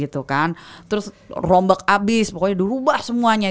terus rombak abis pokoknya udah ubah semuanya